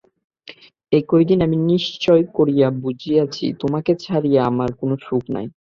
এই কয়দিনে আমি নিশ্চয় করিয়া বুঝিয়াছি, তোমাকে ছাড়িয়া আমার কোনো সুখ নাই।